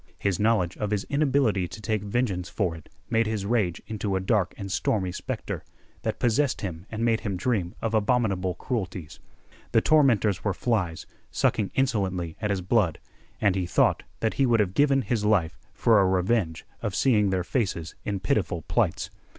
His knowledge of his inability to take vengeance for it made his rage into a dark and stormy specter, that possessed him and made him dream of abominable cruelties. The tormentors were flies sucking insolently at his blood, and he thought that he would have given his life for a revenge of seeing their faces in pitiful plights.